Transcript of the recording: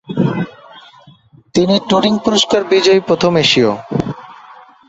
তিনি টুরিং পুরস্কার বিজয়ী প্রথম এশীয়।